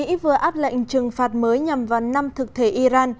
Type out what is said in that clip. mỹ vừa áp lệnh trừng phạt mới nhằm vào năm thực thể iran